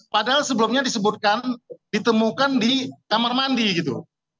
padahal sebelumnya disebutkan ditemukan di kamar mandi gitu